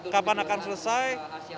kapan akan selesai